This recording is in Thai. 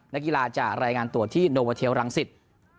นักกีฬาจะรายงานตัวที่โนเวอร์เทลรังสิต